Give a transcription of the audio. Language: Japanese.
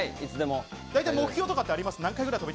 目標とかってあります？